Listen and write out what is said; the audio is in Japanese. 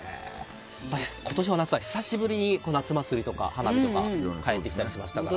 今年の夏は久しぶりに夏休みとか花火が帰ってきたりしましたからね。